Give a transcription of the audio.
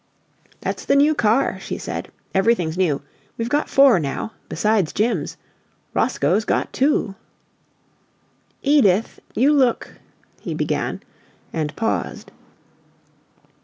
"That's the new car," she said. "Everything's new. We've got four now, besides Jim's. Roscoe's got two." "Edith, you look " he began, and paused.